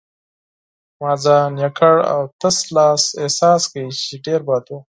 ما ځان یوازې او تش لاس احساس کړ، چې ډېر بد و.